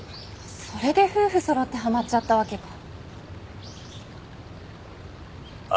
それで夫婦そろってはまっちゃったわけか。